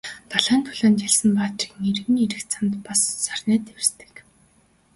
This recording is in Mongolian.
Дайн тулаанд ялсан баатрын эргэн ирэх замд бас сарнай дэвсдэг.